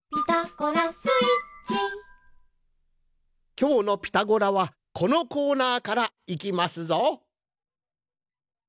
きょうの「ピタゴラ」はこのコーナーからいきますぞ。